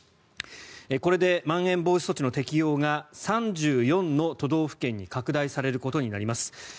これでまん延防止措置の適用が３４の都道府県に拡大されることになります。